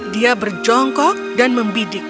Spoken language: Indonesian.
dia berjongkok dan membidik